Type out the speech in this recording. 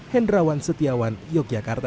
hendrawan setiawan yogyakarta